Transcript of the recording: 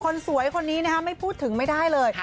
คนสวยคนนี้นะคะไม่พูดถึงไม่ได้เลย